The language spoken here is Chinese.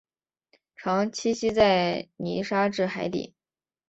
常栖息在泥沙质海底。